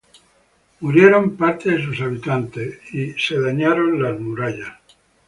Murió parte de sus habitantes y las murallas fueron dañadas.